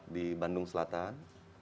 di bandung selatan